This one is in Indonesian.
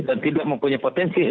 dan tidak mempunyai potensi